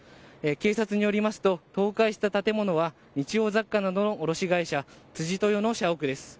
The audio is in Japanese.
警察によりますと倒壊した建物は日用雑貨などの卸会社辻豊の社屋です。